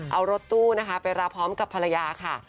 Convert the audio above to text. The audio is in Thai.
เอารถตู้นะคะไปรอพร้อมกับภรรยาค่ะ